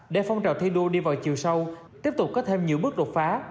để phong trào thi đua đi vào chiều sâu tiếp tục có thêm nhiều bước đột phá